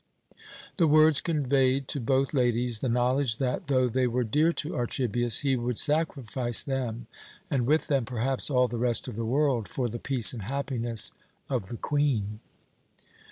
The words conveyed to both ladies the knowledge that, though they were dear to Archibius, he would sacrifice them, and with them, perhaps, all the rest of the world, for the peace and happiness of the Queen.